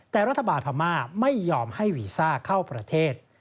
แต่รัฐบาลพม่าไม่ยอมให้วีซ่าเข้าประเทศ